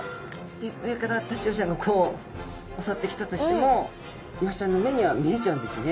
で上からタチウオちゃんがこうおそってきたとしてもイワシちゃんの目には見えちゃうんですね。